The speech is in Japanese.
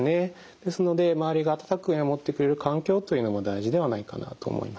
ですので周りが温かく見守ってくれる環境というのも大事ではないかなと思います。